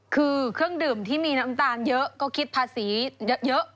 คือเครื่องดื่มที่มีน้ำตาลเยอะก็คิดภาษีเยอะ